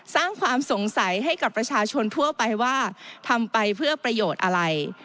สร้างความสงสัยให้กับประชาชนทั่วไปว่าทำไปเพื่อประโยชน์อะไร